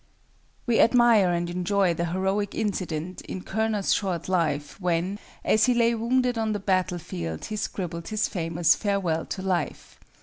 We admire and enjoy the heroic incident in Körner's short life, when, as he lay wounded on the battle field, he scribbled his famous "Farewell to Life."